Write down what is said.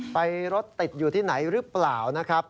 รถติดอยู่ที่ไหนหรือเปล่านะครับ